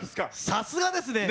さすがですね！